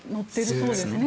そうですね。